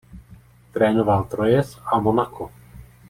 Trénoval Troyes a Monako.